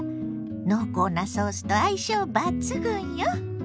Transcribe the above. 濃厚なソースと相性抜群よ。